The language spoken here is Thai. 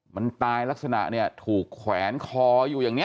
มันตายลักษณะเนี่ยถูกแขวนคออยู่อย่างนี้